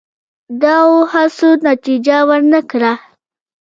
دغو هڅو نتیجه ور نه کړه.